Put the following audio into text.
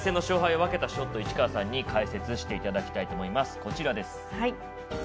アメリカ戦の勝敗を分けたショット市川さんに解説していただきたいと思います